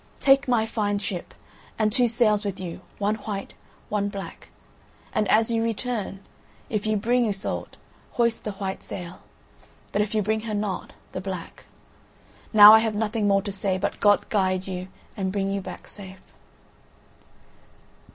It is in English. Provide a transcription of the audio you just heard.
Take my fine ship, and two sails with you, one white, one black. And as you return, if you bring Iseult, hoist the white sail; but if you bring her not, the black. Now I have nothing more to say, but God guide you and bring you back safe."